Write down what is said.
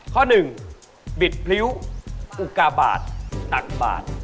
ข้อหนึ่งบิดพริ้วอุกาบาทตักบาท